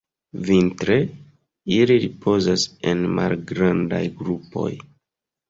Vintre, ili ripozas en malgrandaj grupoj.